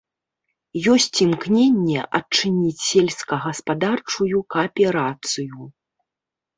Ёсць імкненне адчыніць сельскагаспадарчую кааперацыю.